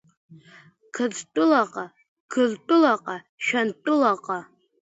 Қырҭтәылаҟа, Гыртәылаҟа, Шәантәылаҟа.